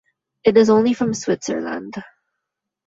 It is only from Switzerland.